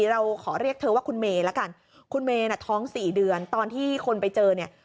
เราขอเรียกเธอว่าคุณเมย์ละกันคุณเมย์น่ะท้องสี่เดือนตอนที่คนไปเจอเนี่ย